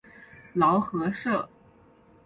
劳合社。